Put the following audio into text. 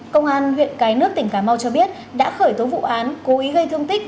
công an huyện cái nước tỉnh cà mau cho biết đã khởi tố vụ án cố ý gây thương tích